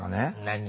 何？